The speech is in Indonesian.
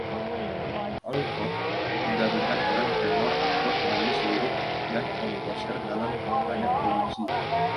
Olcott menggabungkan peran tenor, aktor, penulis lirik dan komposer dalam banyak produksi.